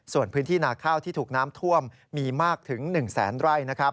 ส่วนพื้นที่นาข้าวที่ถูกน้ำท่วมมีมากถึง๑แสนไร่